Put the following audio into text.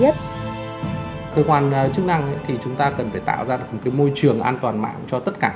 cơ quan chức năng thì chúng ta cần phải tạo ra được một môi trường an toàn mạng cho tất cả